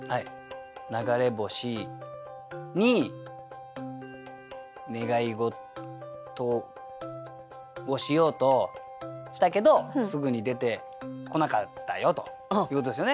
流れ星に願い事をしようとしたけどすぐに出てこなかったよということですよね。